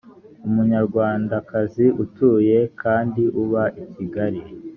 umunyarwandakazi utuye kandi uba i kigali